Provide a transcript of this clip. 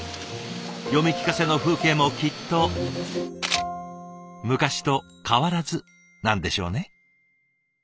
読み聞かせの風景もきっと昔と変わらずなんでしょうね。